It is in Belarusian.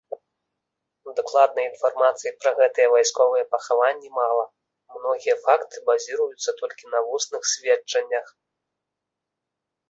Дакладнай інфармацыі пра гэтыя вайсковыя пахаванні мала, многія факты базіруюцца толькі на вусных сведчаннях.